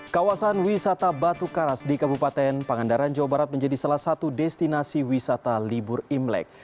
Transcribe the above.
kawasan wisata batu karas di kabupaten pangandaran jawa barat menjadi salah satu destinasi wisata libur imlek